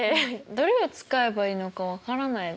どれを使えばいいのか分からない。